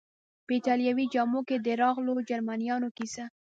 په ایټالوي جامو کې د راغلو جرمنیانو کیسه.